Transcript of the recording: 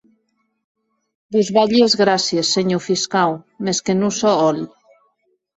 Vos balhi es gràcies, senhor fiscau, mès que non sò hòl.